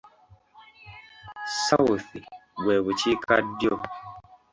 "South" bwe Bukiikaddyo.